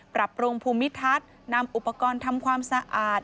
ปรับปรุงภูมิทัศน์นำอุปกรณ์ทำความสะอาด